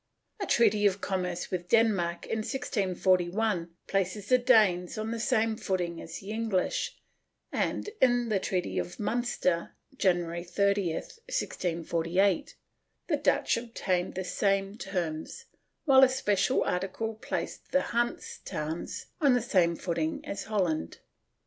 ^ A treaty of commerce with Denmark, in 1641, placed the Danes on the same footing as the English and, in the treaty of Munster, January 30, 1648, the Dutch obtained the same terms, while a special article placed the Hanse towns on the same footing as Holland."